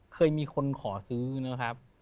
เคยมีคนขอซื้อนะครับ